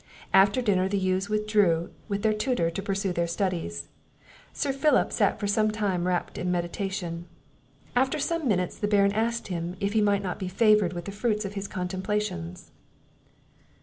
After dinner the youths withdrew with their tutor to pursue their studies. Sir Philip sat for some time wrapt up in meditation. After some minutes, the Baron asked him, "If he might not be favoured with the fruits of his contemplations?"